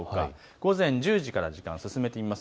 午前１０時から時間を進めてみます。